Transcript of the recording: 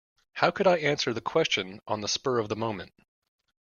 How could I answer the question on the spur of the moment.